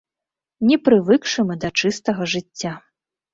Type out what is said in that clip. Не прывыкшы мы да чыстага жыцця.